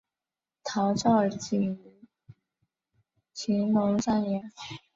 陶绍景于乾隆三年。